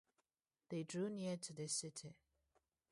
They drew near to the city.